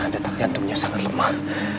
detak jantungnya sangat lemah